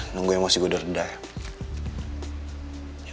nunggu emosi gue udah reda